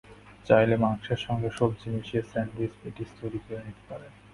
চাইলে মাংসের সঙ্গে সবজি মিশিয়েও স্যান্ডউইচ, পেটিস তৈরি করে নিতে পারেন।